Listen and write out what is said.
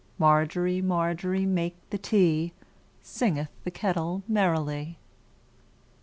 Margery, Margery, make the tea, Singeth the kettle merrily.